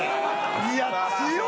いや強い。